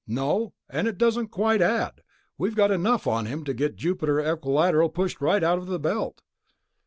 "No, and it doesn't quite add. We've got enough on him to get Jupiter Equilateral pushed right out of the Belt."